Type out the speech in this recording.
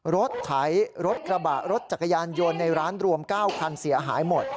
รถไถรถกระบะรถจักรยานยนต์ในร้านรวม๙คันเสียหายหมด